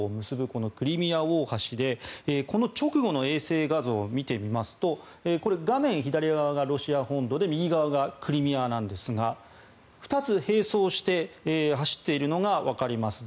このクリミア大橋で直後の衛星画像を見てみますとこれ、画面左側がロシア本土で右側がクリミアなんですが２つ、並走して走っているのがわかります。